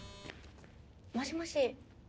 もしもし？